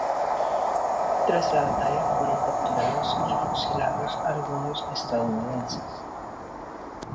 Tras la batalla, fueron capturados y fusilados algunos estadounidenses.